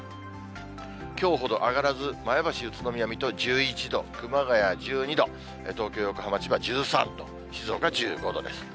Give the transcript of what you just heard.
きょうほど上がらず、前橋、宇都宮、水戸１１度、熊谷１２度、東京、横浜、千葉１３度、静岡１５度です。